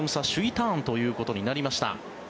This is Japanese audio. ターンということになりました。